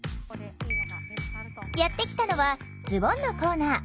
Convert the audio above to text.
やって来たのはズボンのコーナー。